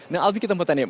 nah alby kita mau tanya nih